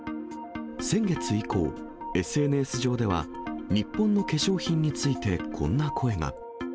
先月以降、ＳＮＳ上では、日本の化粧品についてこんな声が。